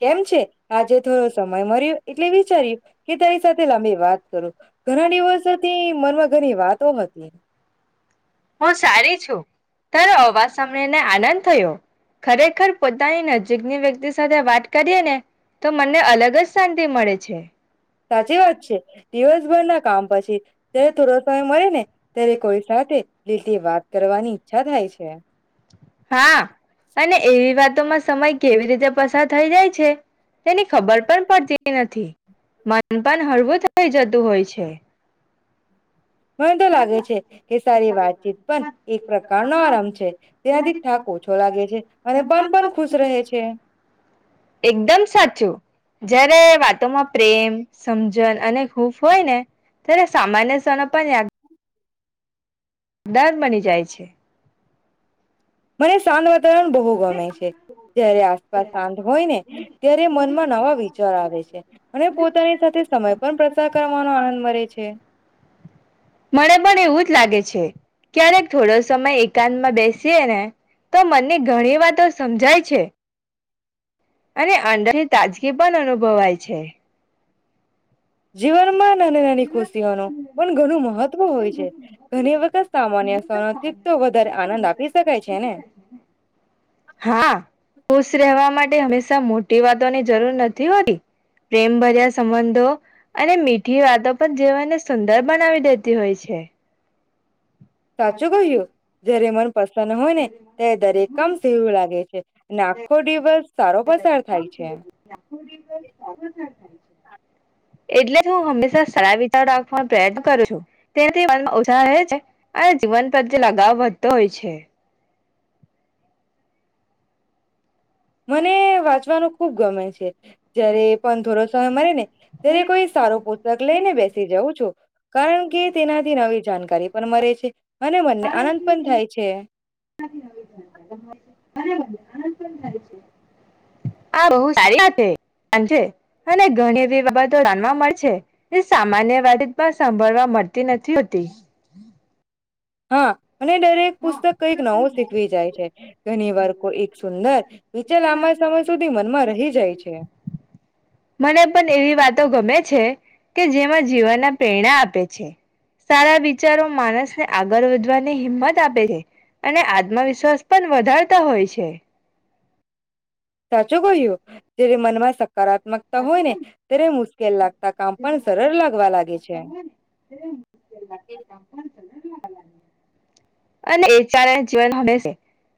કેમ છે આજે થોડો સમય મળર્યો એટલે વિચાર્યું કે તારી સાથે લાંબી વાત કરો ઘણા દિવસોથી મનમાં ઘણી વાતો હતી. હું સારી છું. તારો અવાજ સાળીને આનંદ થયો ખરેખર પોતાની નજીકની વ્યક્તિ સાથે વાત કરીએ ને તો મને અલગ જ શાંતિ મળે છે. સાચી વાત છે દિવસભર ના કામ પછી જયારે થોડો સમય મળે ને ત્યારે કોઈ સાથે લી. હા અને એવી વાત. તોમાં સમય કેવી રીતે પસાર થઈ જાય છે. તેની ખબર પણ પડતી. નથી. ખાનપાન હળવું થઇ જતું હોય છે. જ. મને તો લાગે છે કે સારી વાતચીત પણ એક પ્રકારનો આરામ છે તેનાથી થાક ઓછો લાગે છે અને મન પણ ખુશ રહે છે. એકદમ સાચું જયારે વાતોમાં પ્રેમ સમજણ અને ખૂફ હોય ને. ના સામાન્ય જણપ. દાન બની જાય છે. મને સાંત વા. રણ બહુ ગમે છે જય્યારે આસપાસ શાંત હોય ને ત્યારે મનમાં નવા વિચાર આવે છે અને પોતાની સાથે સમય પણ પ્રસાર કરવાનો આનંદ મળે છે. મને પણ એવું જ લાગે ક્યારેક થોડો સમય એકાંતમાં બેસીએ ને તો મને. ઘણી વાર તો સમજાય છે. અને અંદરની તાજગી પણ અનુભવાય છે. જીવનમાં. નાની નાની ખુશીઓ ન પણ ઘણું મહત્વ હોય છે ઘણી વખત સામાન્ય સનોથી તો વધારે આનંદ આપી શકાય છે ને. હા ખુશ રહેવા માટે હંમેશા મોટી વાતોની જરૂર નથી હોતી પ્રેમ ભર્યા સંબંધો અને મીઠી વાત. તો પણ જેવાને સુંદર બનાવી દેતી હોય છે. સાચું કહ્યું જય્યારે માર. પસંદ હોય ને તે દરેકમ સવું લાગે છે. અને આખો દિવસ. સારો થાય પસાર છે છે. એટલે જ હું હંમેશા સારા વિચાર રાખવાનો પ્રયત્ન કરું છું તેનાથી મનમાં ઉછહ રહે છે અને જીવન પ્રત્યે લગાવ વધતો હોય છે. મને વાંચવાનું ખુબ ગમે છે જયારે પણ થોડો સમય મળે ને ત્યારે કોઈ સારું પુસ્તક લઈને બેસી જવં છું કારણ કે તેનાથી નવી જાણકારી પણ મળે છે. અને મનને કારણ આનંદ પણ થાય છે આ બો સારી અને ઘણી એવી બાબતો જાણવા મળ છે જે સામાન્ય વાત પણ સાંભળવા મળતી નથી હોતી. હા. અને દરેક પુસ્તક કઈક નવું શીખવી જાય છે ઘણી વાર કો એક સુંદર નીચે લાંબા સમય સુધી મનમાં રહી જાય છે. તો ગમે છે કે જેમાં જીવાનના પ્રેરણા આપે છે સારા વિચારો માણસને આગળ વધવાની હિંમત આપે છે અને આત્મવિશ્વાસ પણ વધારતા હોય છે. સાચો કહ્યું જે્યારે મનમાં સકારાત્મકતા હોય ને ત્યારે મુ કેલા કામ પણ સરળ લાગવા લાગે છે. અને જીવન હમે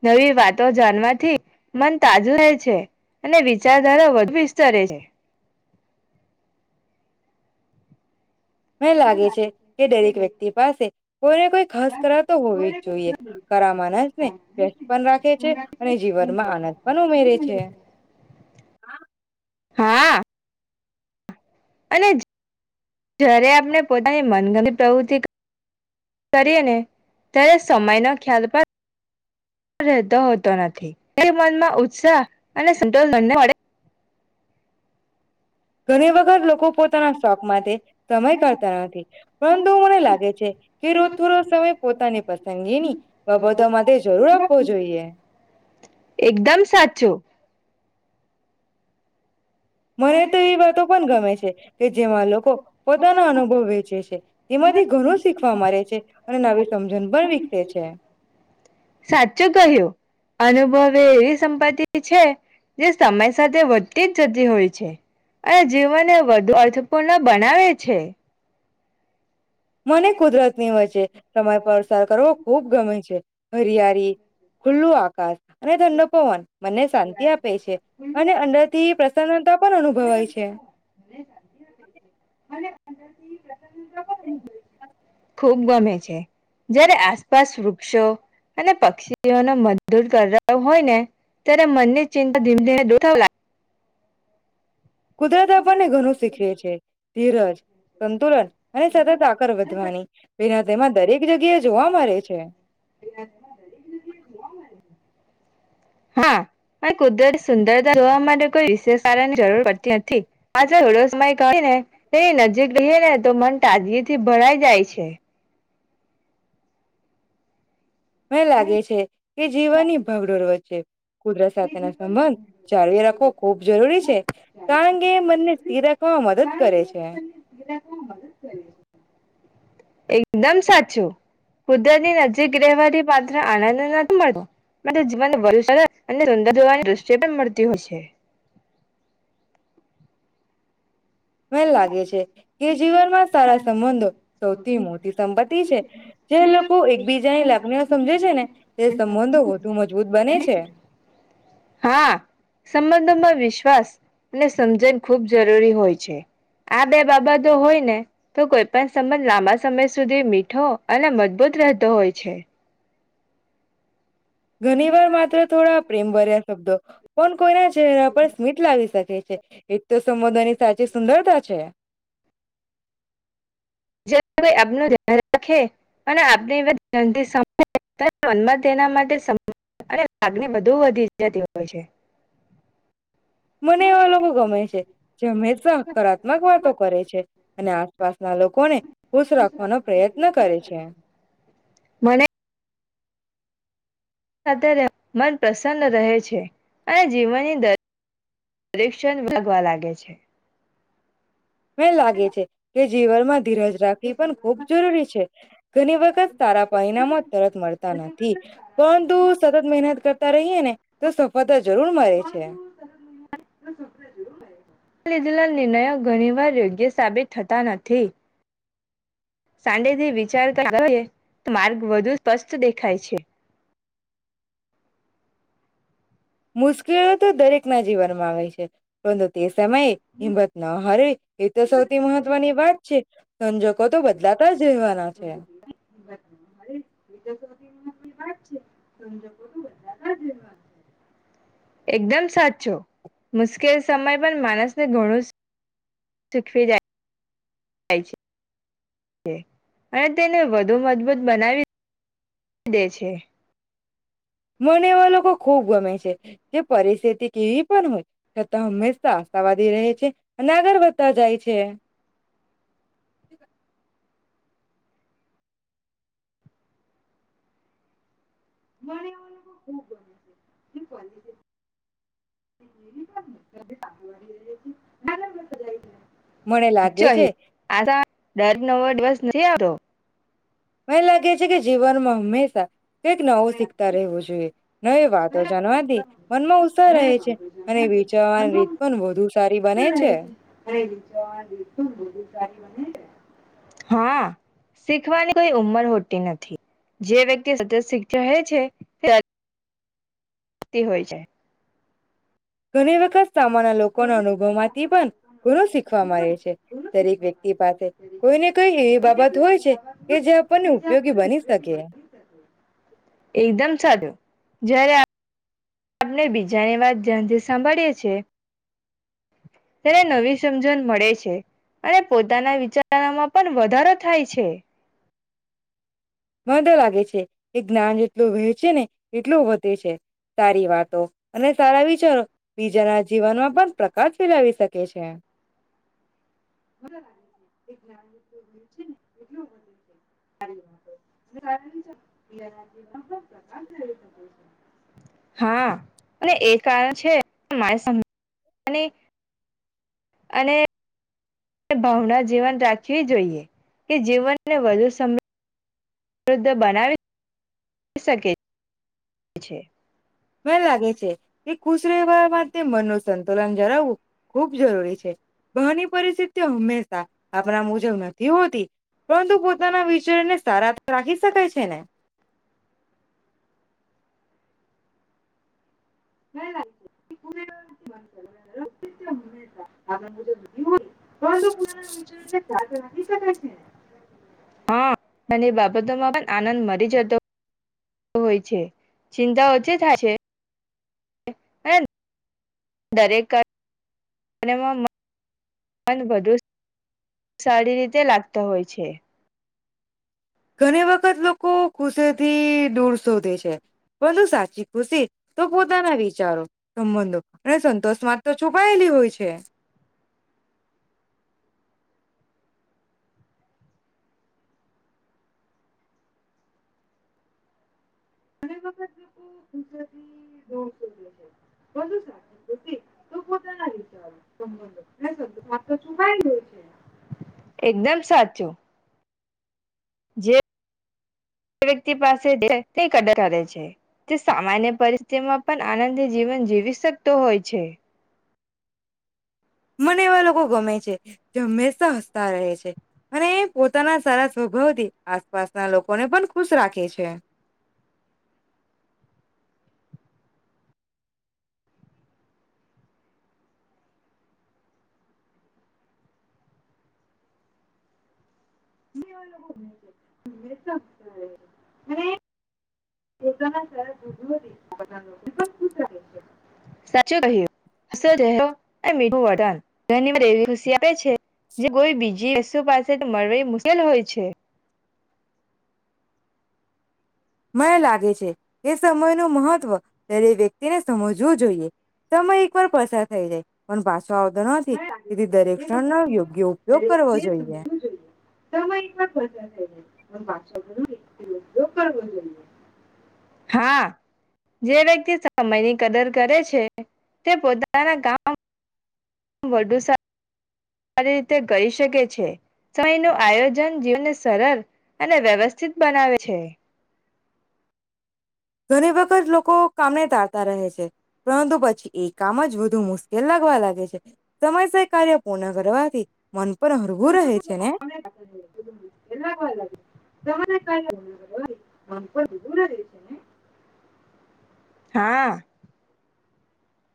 નવી વાતો જાણવાથી મન તાજુ રહે છે અને વિચારધારા વધુ વિસ્તરે છે. મં લાગે છે કે દરેક વ્યક્તિ પાસે કોઈને કોઈ ખસ કરાતો હોવી જ જોઈએ કરા માનસને વ્યસ્ત પણ રાખે છે અને જીવનમાં આનંદ પણ ઉમેરે છે. હા. હા અને જ્યારે આપણે પોતાની મનગમતી પ્રવૃતિ કરીએ ને ત્યારે સમય નો ખ્યાલ પણ રહેતો હોતો નથી એ મનમાં ઉત્સાહ અને સ મળે ઘણી વખત લોકો પોતાના શોખ માટે સમય કરતા નથી પરંતુ મને લાગે છે કે રોજ થોડો સમય પોતાની પસંદગીની બાબતો માટે જરૂર આપવો જોઈએ. એકદમ સાચું મને તો એ વાતો પણ ગમે છે કે જેમાં લોકો પોતાનો અનુભવ વેચે છે તેમાંથી ઘણું શીખવા મારે છે અને નવી સમજણ પણ વિકસે છે. હ એવી સંપત્તિ છે જે સમય સાથે વધતી જ જતી હોય છે. અને જીવન એ વધુ અર્થપૂર્ણ બનાવે છે. મને કુદરતની વચ્ચે સમય પરસાર કરવો ખુબ ગમે છે. હરિયારી ખુલ્લું આકાશ. અને ઠંડો પવન મને શાંતિ આપે છે. અને અંદર થી [unintelligible] [unintelligible] [unintelligible] ખુબ ગમે છે જયારે આસપાસ વૃક્ષો અને પક્ષીઓનો મત દૂર કર હોય ને ત્યારે મનની ચિંતા ધીમે ધીમે દૂર થવા કુદરત આપણને ઘણું શીખવે છે. ધીરજ. સંતુલન અને સતત આગળ વધવાની. [unintelligible] જગ્યા જોવા મળ છે. હા કુદરત સુંદરતા જોવા માટે કોઈ વિશેષ કારણની જરૂર પડતી નથી પાછ થોડો સમય કને એ નજીક ર ને તો મન તાજગી થી ભરાઈ જાય છે. મ લાગે છે કે જીવનની ભગડોળ વચ્ચે કુદરત સાથેના સંબંધ જાળવી રાખવો ખૂબ જરૂરી છે કારણ કે એ મનને સ્થિર રાખવામાં મદદ કરે છે. એક એકદમ સાચું. કુદરતની નજીક રહેવાથી પાત્ર આનંદ જ મળતો. પરંતુ જીવનને વધુ સરળ અને સુંદર જોવાની દૃષ્ટિ પણ મળતી હોય છે. મને લાગે છે કે જીવનમાં સારા સંબંધો સૌથી મોટી સંપત્તિ છે જે લોકો એકબીજાની લાગણીઓ સમજે છે ને તે સંબંધો વધુ મજબૂત બને છે. હા સંબંધોમાં વિશ્વાસ અને સમજણ ખૂબ જરૂરી હોય છે આ બે બાબતો હોય ને તો કોઈ પણ સંબંધ લાંબા સમય સુધી મીઠો અને મજબૂત રહેતો હોય છે. ઘણી વાર માત્ર થોડા પ્રેમ ભર્યા શબ્દ પણ કોઈના ચહેરા પર સ્મીટ લાવી શક. એ છે એ [unintelligible] તો સંબોદની તાજી સુંદરતા છે. જે આપનું ધન રાખે અને આપને અને ધ્યાન થી સાંભળે મનમાં તેના માટે લાગની બુદુ વધી જતી હોય છે. મને એવા લોકો ગમે છે જે હંમેશા હકારાત્મક વાતો કરે છે અને આસપાસના લોકોને ખુશ રાખવાનો પ્રયત્ન કરે છે. મને સાથે મન પ્રસન્ન રહે છે અને જીવનની દરેક દરીક્ષણ વાગવા લાગે છે. મે લાગે છે કે જીવરમાં ધીરજ રાખવી પણ ખૂબ જરૂરી છે. ઘણી વખત સારા પરિણામો તરત મળતા નથી પરંતુ સતત મહેનત કરતા રહીએ ને તો સફદ જ જરૂર મરે છે. લીધેલા નિર્ણયો ઘણીવાર યોગ્ય સાબિત થતા નથી. સાંતિથી વિચારતા કરીએ તો માર્ગ વધુ સ્પષ્ટ દેખાય છે. મુશ્કેલો તો દરેક ના જીવનમાં આવે છે પરંતુ તે સ સમયે હિંમત ન હરેવે એ તો સૌથી મહત્વની વાત છે. સંજોકો તો બદલાતા જ રહેવાના જ [unintelligible] છે. એકદમ સાચું મુશ્કેલ સમય પણ માણસને ઘણું શીખવી જા અને તેને વધુ મજબૂત બનાવી દે છે. મને એવા લોકો ખૂબ ગમે છે જે પરિસ્થિતિ કેવી પણ હોય છતાં હંમેશા આશાવાદી રહે છે અને આગળ વધતા જાય છે. એ લોકો બને છે. મને લાગે છે સાચચોહી આ દર નવો દિવસ નથી આવતો. મને લાગે છે કે જીવનમાં હંમેશા કઈક નવો શીખતા રહેવું જોઈએ. નવી વે વાતો જાણવાથી મનમાં ઉત્સાહ રહે છે અને વિચારવાની રીત પણ વધુ સારી બને છે. સારી બને હા શીખવાની કોઈ ઉમર હોતી નથી જે વ્યક્તિ સતત શીખ રહે છે. તી હોય જાય. ઘણી વખત સામાન્ય લોકો ના અનુભવ માંથી પણ ધણું શીખવા મળે છે દરેક વ્યક્તિ પાસે કોઈને કઈ એવી બાબત હોય છે કે જે આપણને ઉપયોગી બની શકે જ્યારે આપ [unintelligible] આપને બીજાની વાત ધ્યાનથી સાંભળીએ છે ત્યારે નવી સમજણ મળે છે અને પોતાના વિચારોમાં પણ વધારો થાય છે. મન તો લાગે છે કે જ્ઞાન જેટલું વહેંચે ને એટલું વધે છે. સારી વાતો અને સારા વિચારો બીજાના જીવનમાં પણ પ્રકાશ ફેલાવી શકે છે. [inaudible] હા અને એ કારણ છે [unintelligible] અને ભાવના જીવન રાખવી જોઈએ કે જીવનને વધુ સમ વૃદ્ધ બનાવી શકે છે. મને લાગે છે કે ખુશ રહેવા માટે મનનું સંતુલન જાળવવું ખૂબ જરૂરી છે. બહાર ની પરિસ્થિતિઓ હંમેશા આપણા મુજબ નથી હોતી, પરંતુ પોતાના વિચારને સારા રાખી શકાય છે ને? [inaudible] [inaudible] [inaudible] હ અને બંને બાબતોમાં પણ આનંદ મરી જતો હોય છે, ચિંતા ઓછી થાય છે. [inaudible] દરેક કાર્યમાં મન વધુ સા સારી રીતે લાગતા હોય છે ઘણી વખત લોકો ખુશેથી દૂર શોધે છે પરંતુ સાચી ખુશી તો પોતાના વિચારો સંબંધો અને સંતોષમાં તો છુપાયેલી હોય છે [inaudible] એકદમ સાચું દરેક વ્યકિત પાસે [inaudible] કદર કરે છે તે સામાન્ય પરિસ્થિતિમાં પણ આનંદ જીવન જીવી શકતો હોય છે મને એવા લોકો ગમે છે જે હંમેશા હસતા રહે છે, અને એ પોતાના સારા સ્વભાવથી આસપાસના લોકોને પણ ખુશ રાખે છે [inaudible] [unintelligible] હોય છે મને લાગે છે કે સમયનું મહત્વ દરેક વ્યક્તિને સમજવું જોઈએ. સમય એકવાર પસાર થઈ જાય પણ પાછ [inaudible] [inaudible] યોગ્ય ઉપયોગ કરવો જોઈએ. હા જે વ્યક્તિ સમયની કદર કરે છે તે પોતાના કામ વધુ સારું સારી રીતે કરી શકે છે સમયનું આયોજન જીવનને સરળ અને વ્યવસ્થિત બનાવે છે ઘણી વખત લોકો કામને [unintelligible] રહે છે. પરંતુ પછી એ કામ જ વધુ મુશ્કેલ લાગવા લાગે છે, સમયસય કાર્ય પૂર્ણ કરવાથી મન પણ હળવું રહે છે ને [inaudible] જેના કારણે [inaudible] હા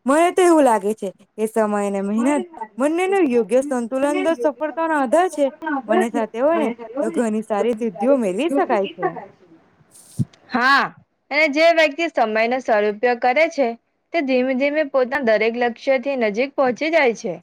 મને તો એવું લાગે છે કે સમય અને મહેનત બંને નો યોગ્ય સંતુલન સફળતાનો આધાર છે. બંને સાથે હોય ને તો ઘની સારી સિદ્ધિઓ મેળવી શકાય છે હા અને જે વ્યક્તિ સમયનો સદઉપયોગ કરે છે, તે ધીમે ધીમે પોતાના દરેક લક્ષ્યથી નજીક પહોંચી જાય છે